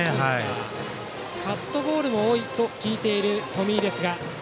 カットボールもあると聞いている冨井ですが。